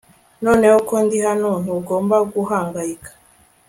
Noneho ko ndi hano ntugomba guhangayika